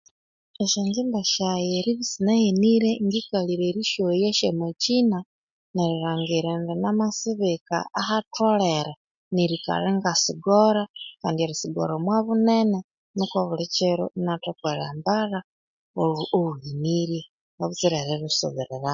Esyonjimba syaghe eribya isinahenirye ngikalira erisyoya syamakyina nerilhangira indi namasibika ahatholere nerikalha ingasigoora kandi erisigoora omwa bunene nuku obuli kiro inathoka eryambalha oo olhuhenirye kabutsira erilhusubiriramu